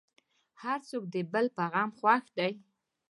هر څوک د بل په غم خوښ دی.